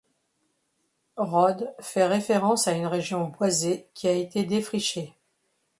Rhode fait référence à une région boisée qui a été défriché.